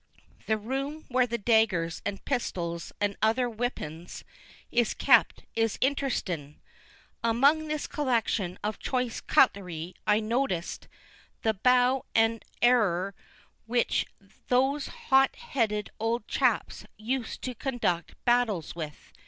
The room where the daggers and pistils and other weppins is kept is interestin. Among this collection of choice cutlery I notist the bow and arrer which those hot heded old chaps used to conduct battles with.